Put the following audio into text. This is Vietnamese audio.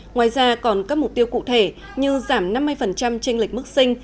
ngoài ra còn các mục tiêu cụ thể như giảm năm mươi tranh lịch mức sinh